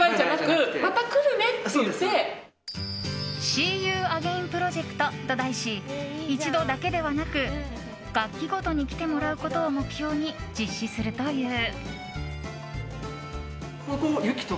シー・ユー・アゲイン・プロジェクトと題し１度だけではなく、学期ごとに来てもらうことを目標に実施するという。